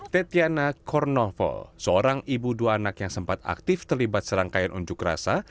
tetiana kornovo seorang ibu dua anak yang sempat aktif terlibat serangkaian unjuk rasa